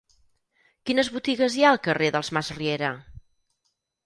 Quines botigues hi ha al carrer dels Masriera?